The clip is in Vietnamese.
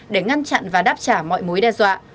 để ngăn chặn và đáp trả mọi mối đe dọa